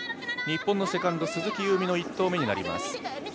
日本のセカンド・鈴木夕湖の１投目になります。